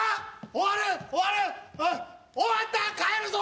終わった帰るぞ！